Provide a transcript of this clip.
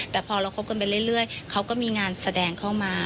แต่พอเราคบกันไปเรื่อยเขาก็มีงานแสดงเข้ามา